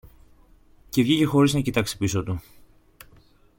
Και βγήκε χωρίς να κοιτάξει πίσω του.